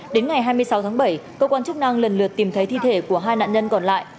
đến ngày hai mươi sáu tháng bảy cơ quan chức năng lần lượt tìm thấy thi thể của hai nạn nhân còn lại